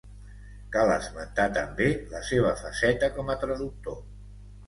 Cal esmentar també la seva faceta com a traductor.